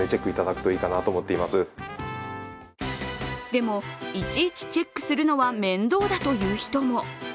でも、いちいちチェックするのは面倒だという人も。